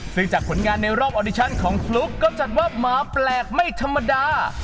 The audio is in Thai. ซึ่งจากผลงานในรอบออดิชั่นของฟลุ๊กก็จัดว่าหมาแปลกไม่ธรรมดา